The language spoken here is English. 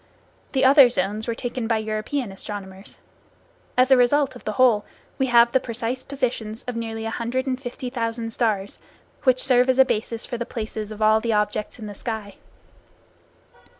The other zones were taken by European astronomers. As a result of the whole, we have the precise positions of nearly a hundred and fifty thousand stars, which serve as a basis for the places of all the objects in the sky.